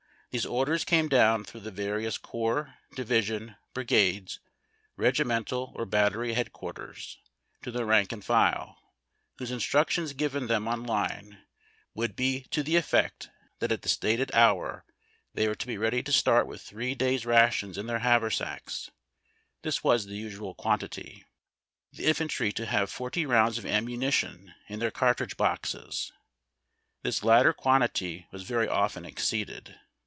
These orders came down through the various corps, division, bri gade, regimental, or battery headquarters to the rank and file, whose instructions given them on line would be to the effect that at the stated liour they were to be ready to start with three days' rations in their haversacks (this was the usual quantity), the infantry to have forty rounds of ammu nition in their cartridge boxes. This latter quantity was very often exceeded.